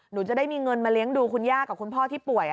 หนูจะได้มีเงินมาเลี้ยงดูคุณย่ากับคุณพ่อที่ป่วย